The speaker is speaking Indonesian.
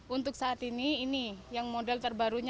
untuk saat ini ini yang model terbarunya